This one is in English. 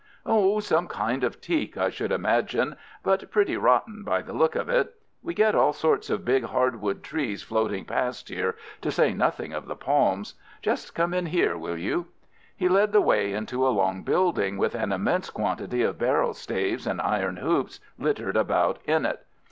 "Oh, some kind of teak I should imagine, but pretty rotten by the look of it. We get all sorts of big hardwood trees floating past here, to say nothing of the palms. Just come in here, will you?" He led the way into a long building with an immense quantity of barrel staves and iron hoops littered about in it.